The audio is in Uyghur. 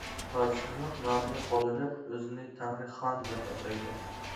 پادىشاھلىق نامىنى قوللىنىپ، ئۆزىنى تەڭرى خان دەپ ئاتايدۇ.